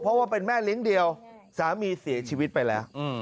เพราะว่าเป็นแม่ลิ้นเสียวเดียวสามีเสียชีวิตไปแล้วอื้ม